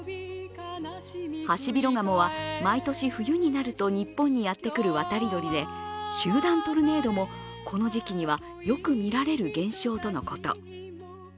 ハシビロガモは、毎年冬になると日本にやってくる渡り鳥で集団トルネードも、この時期にはよく見られる現象とのこと。